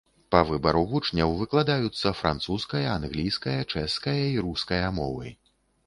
Па выбару вучняў выкладаюцца французская, англійская, чэшская і руская мовы.